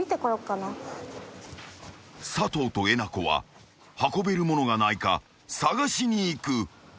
［佐藤とえなこは運べるものがないか探しに行く］